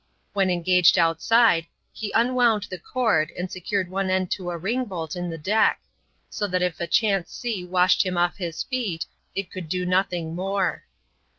When engaged outside, he unwound the cord, and secured one end to a ring bolt in the deck ; so that if a chance sea washed him off his feet, it could do nothing more.